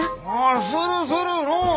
するする！のう？